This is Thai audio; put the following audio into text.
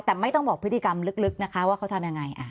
แต่ไม่ต้องบอกพฤติกรรมลึกนะคะว่าเขาทำยังไง